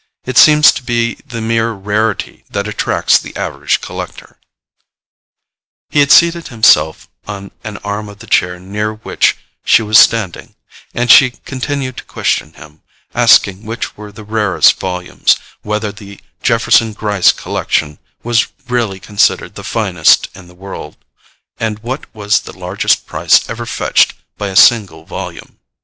It seems to be the mere rarity that attracts the average collector." He had seated himself on an arm of the chair near which she was standing, and she continued to question him, asking which were the rarest volumes, whether the Jefferson Gryce collection was really considered the finest in the world, and what was the largest price ever fetched by a single volume.